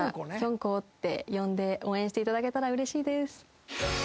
こって呼んで応援していただけたらうれしいです。